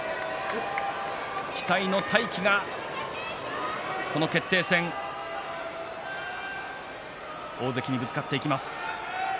期待の大器がこの決定戦大関にぶつかっていきます。